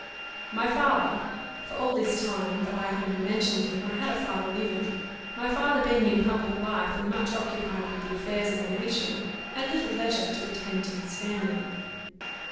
My father for all this time, though I have never mentioned him, I had a father living my father, being in public life, and much occupied with the affairs of the nation, had little leisure to attend to his family.